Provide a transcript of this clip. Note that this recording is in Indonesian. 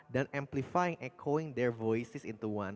dan memperkuat dan menarik suara mereka menjadi satu